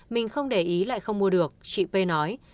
mình không để ý lại không mua được chị p nói